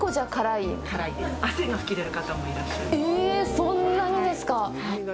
そんなにですか？